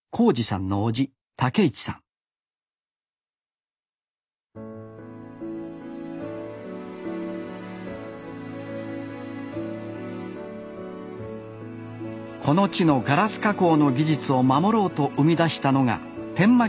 この地のガラス加工の技術を守ろうと生み出したのが天満切子でした